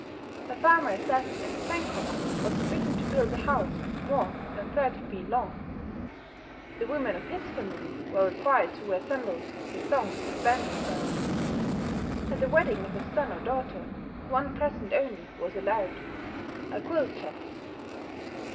A farmer assessed at 10 koku was forbidden to build a house more than 30 feet long. The women of his family were required to wear sandals with thongs of bamboo grass. At the wedding of his son or daughter one present only was allowed, a quilt chest.